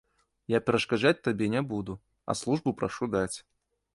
Я перашкаджаць табе не буду, а службу прашу даць.